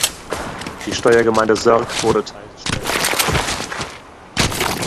Die Steuergemeinde Sörg wurde Teil des Steuerbezirks Gradenegg.